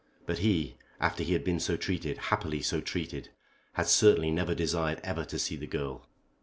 But he, after he had been so treated, happily so treated, had certainly never desired ever to see the girl.